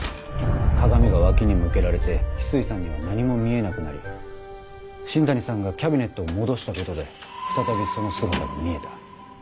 鏡が脇に向けられて翡翠さんには何も見えなくなり新谷さんがキャビネットを戻したことで再びその姿が見えた。